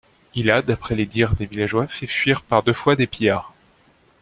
Il a d'après les dires des villageois fait fuir par deux fois des pillards.